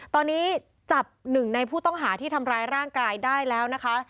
ตอนนี้จับหนึ่งในผู้ต้องหาที่ทำร้ายร่างกายได้แล้วนะคะ